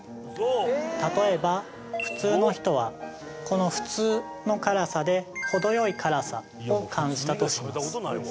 例えば普通の人はこの普通の辛さでほどよい辛さを感じたとします